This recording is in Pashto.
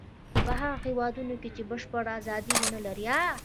په هغو هېوادونو کې چې بشپړه ازادي و نه لري.